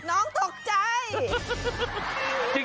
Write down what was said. น้องตกใจ